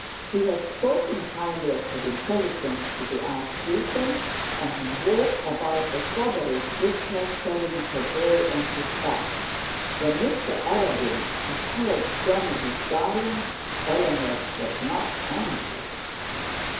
He had spoken highly of her intelligence to the archdeacon, and had walked about the shrubberies with her, carrying her boy on his back. When Mr Arabin had called Johnny his darling, Eleanor was not angry.